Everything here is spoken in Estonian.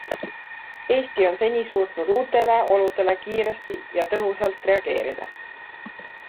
Eesti on seni suutnud uutele oludele kiiresti ja tõhusalt reageerida.